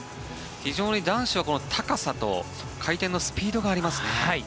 非常に男子は高さと回転のスピードがありますね。